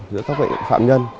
giữa các bệnh phạm nhân